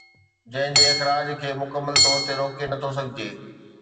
جنهن جي اخراج کي مڪمل طور تي روڪي نٿو سگهجي